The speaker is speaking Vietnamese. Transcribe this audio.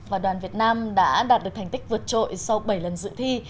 và đoàn việt nam đã đạt được thành tích vượt trội sau bảy lần dự thi